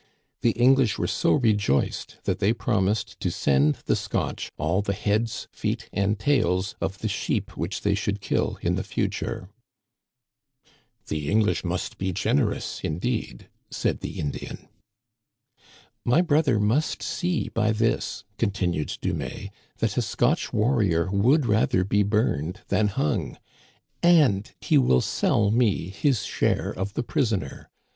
The English were so rejoiced that they promised to send the Scotch all the heads, feet, and tails of the sheep which they should kill in the future." " The English must be generous, indeed," said the Indian. " My brother must see by this," continued Dumais, "that a Scotch warrior would rather be burned than hung, and he will sell me his share of the prisoner.